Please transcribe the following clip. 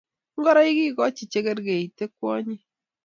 Ngoroik ingicho chekekerkeite kwonyik?